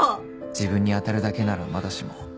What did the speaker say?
自分に当たるだけならまだしも。